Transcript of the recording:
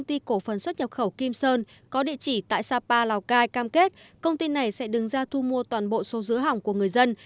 công ty cổ phần xuất nhập khẩu kim sơn có địa chỉ tại sapa lào cai cam kết công ty này sẽ đứng ra thu mua toàn bộ số dứa hỏng của người dân